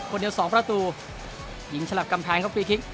คนเดียวสองประตูหญิงฉลับกำแพงครับฟรีคลิก